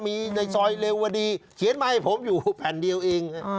มีในซอยเรวดีเขียนมาให้ผมอยู่แผ่นเดียวเอง